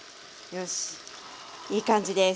よしいい感じです。